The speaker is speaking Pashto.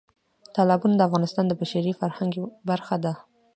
تالابونه د افغانستان د بشري فرهنګ برخه ده.